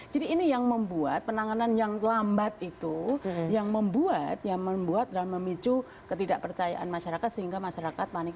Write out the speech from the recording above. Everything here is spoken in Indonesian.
jadi ini yang membuat penanganan yang lambat itu yang membuat dan memicu ketidakpercayaan masyarakat sehingga masyarakat panik